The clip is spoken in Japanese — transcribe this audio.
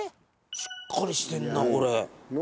しっかりしてんなこれ。